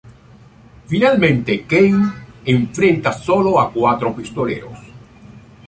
Finalmente, Kane se enfrenta solo a los cuatro pistoleros.